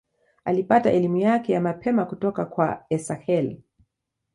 Alipata elimu yake ya mapema kutoka kwa Esakhel.